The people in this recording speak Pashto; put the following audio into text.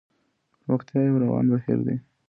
پرمختيا يو روان بهير دی.